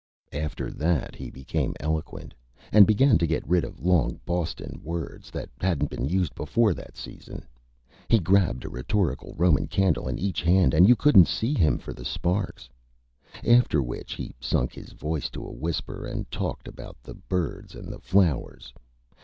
After that he became Eloquent, and began to get rid of long Boston Words that hadn't been used before that Season. He grabbed a rhetorical Roman Candle in each Hand and you couldn't see him for the Sparks. After which he sunk his Voice to a Whisper and talked about the Birds and the Flowers.